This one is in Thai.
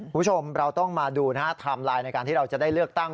คุณผู้ชมเราต้องมาดูนะฮะไทม์ไลน์ในการที่เราจะได้เลือกตั้ง